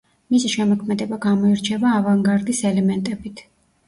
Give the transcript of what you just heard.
მისი შემოქმედება გამოირჩევა ავანგარდის ელემენტებით.